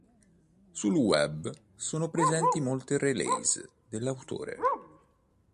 Sul web sono presenti molte release dell'autore.